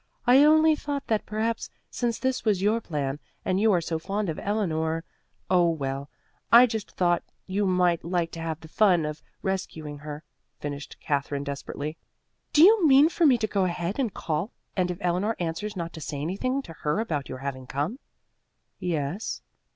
I only thought that perhaps, since this was your plan and you are so fond of Eleanor oh well, I just thought you might like to have the fun of rescuing her," finished Katherine desperately. "Do you mean for me to go ahead and call, and if Eleanor answers not to say anything to her about your having come?" "Yes."